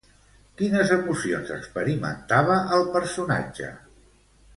Quines emocions experimentava el personatge?